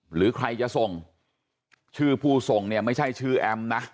หรือใครจะส่งชื่อผู้ส่งเนี่ยไม่ใช่ชื่อแอมนะ